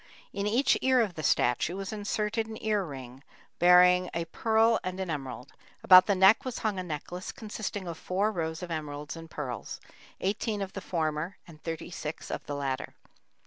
In each ear of the statue was inserted an ear ring bearing a pearl and an emerald; about the neck was hung a necklace consisting of four rows of emeralds and pearls, eighteen of the former and thirty six of the latter.